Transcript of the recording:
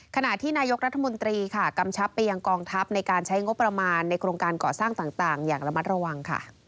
ขณะที่นายกรัฐมนตรีค่ะกำชับไปยังกองทัพในการใช้งบประมาณในโครงการก่อสร้างต่างอย่างระมัดระวังค่ะ